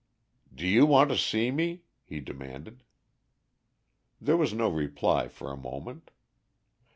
"Do you want to see me?" he demanded. There was no reply for a moment.